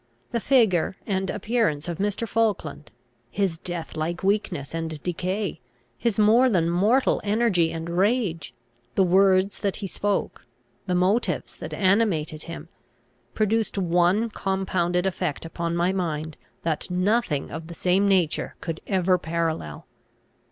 The figure and appearance of Mr. Falkland, his death like weakness and decay, his more than mortal energy and rage, the words that he spoke, the motives that animated him, produced one compounded effect upon my mind that nothing of the same nature could ever parallel.